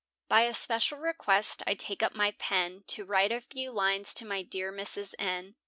By especial request I take up my pen, To write a few lines to my dear Mrs. N.